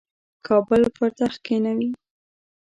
کابل پر تخت کښېنوي.